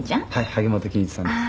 萩本欽一さんです」